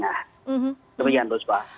nah demikian pusma